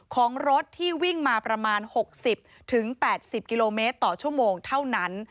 ของรถที่วิ่งมาประมาณ๖๐๘๐กิโลเมตรต่อชั่วโมงเท่านั้น